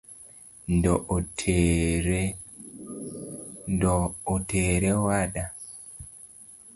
Ndoo otore owada